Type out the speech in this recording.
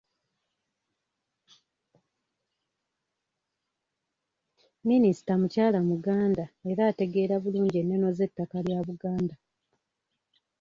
Minisita mukyala Muganda era ategeera bulungi ennono z’ettaka lya Buganda.